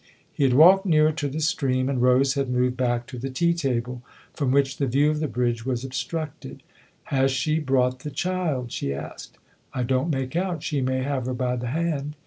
He had walked nearer to the stream, and Rose had moved back to the tea table, from which the view 160 THE OTHER HOUSE of the bridge was obstructed. " Has she brought the child ?" she asked. " I don't make out she may have her by the hand."